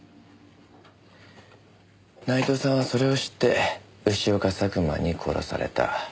内藤さんはそれを知って潮か佐久間に殺された。